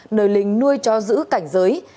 nơi linh nuôi cho giữ cảnh giới